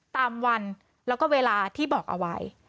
ตามวันแล้วก็เวลาที่บอกเอาไว้